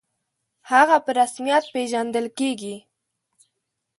«هغه» په رسمیت پېژندل کېږي.